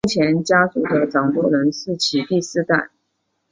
目前家族的掌舵人是其第四代。